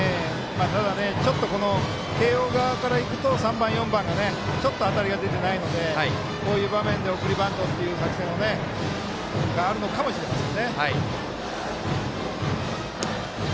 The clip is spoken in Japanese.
ちょっと慶応側からいくと３番、４番がちょっと当たりが出てないのでこういう場面で送りバントという作戦があるかもしれません。